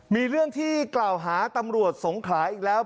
มีเรื่องที่กล่าวหาตำรวจสงขลาอีกแล้ว